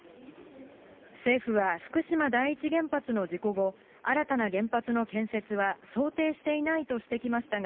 政府は、福島第一原発の事故後、新たな原発の建設は想定していないとしてきましたが、